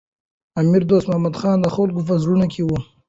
امیر دوست محمد خان د خلکو په زړونو کي و.